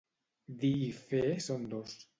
Dir i fer són dos.